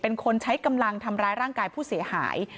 เป็นคนใช้กำลังทำร้ายร่างกายผู้เสียหาย